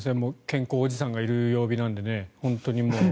健康おじさんがいる曜日なので。